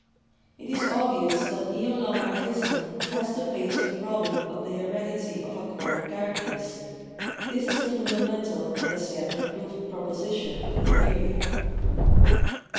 It is obvious that neo Lamarckism has to face the problem of the heredity of acquired characters — this is the fundamental and as yet unproved proposition of the theory.